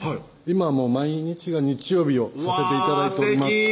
今はもう毎日が日曜日をさせて頂いております